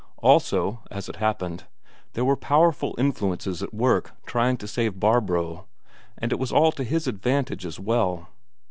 Also, as it happened, there were powerful influences at work trying to save Barbro, and it was all to his advantage as well.